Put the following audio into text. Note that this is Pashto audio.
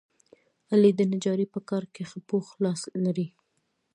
علي د نجارۍ په کار کې ښه پوخ لاس لري.